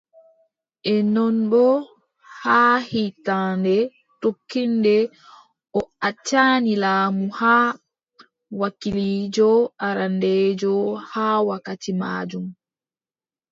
E non boo, haa hiitannde tokkiinde, o accani laamu haa, wakiliijo arandeejo haa wakkati maajum.